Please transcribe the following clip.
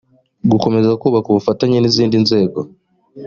gukomeza kubaka ubufatanye n izindi nzego